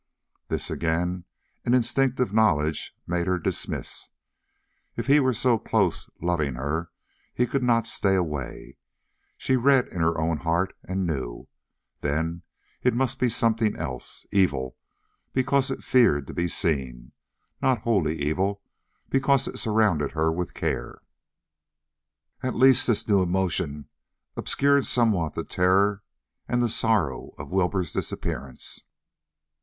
This, again, an instinctive knowledge made her dismiss. If he were so close, loving her, he could not stay away; she read in her own heart, and knew. Then it must be something else; evil, because it feared to be seen; not wholly evil, because it surrounded her with care. At least this new emotion obscured somewhat the terror and the sorrow of Wilbur's disappearance.